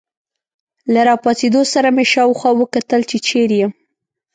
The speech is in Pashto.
له راپاڅېدو سره مې شاوخوا وکتل، چې چیرې یم.